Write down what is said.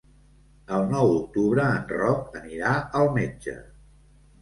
El nou d'octubre en Roc anirà al metge.